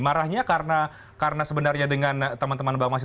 marahnya karena sebenarnya dengan teman teman bama sby